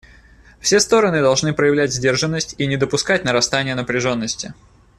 Все стороны должны проявлять сдержанность и не допускать нарастания напряженности.